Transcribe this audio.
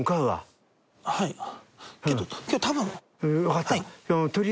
はい。